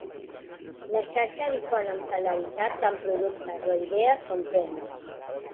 La xarxa difon amb celeritat tant productes o idees, com termes.